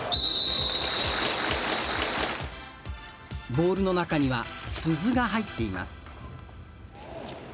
ボールの中には鈴が入っています。